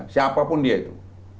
siapa pun dia itu